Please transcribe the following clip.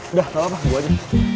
udah gak apa apa gue aja